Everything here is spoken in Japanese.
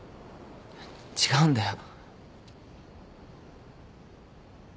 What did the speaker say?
違うんだよ。